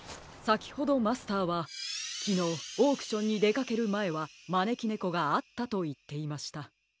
さきほどマスターはきのうオークションにでかけるまえはまねきねこがあったといっていました。